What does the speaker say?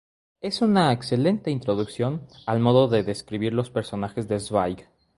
Es una excelente introducción al modo de describir los personajes de Zweig.